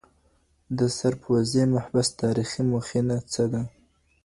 د سرپوزې محبس تاریخي مخینه څه ده؟